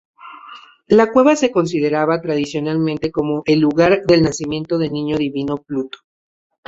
La cueva se consideraba tradicionalmente como el lugar del nacimiento de niño divino Pluto.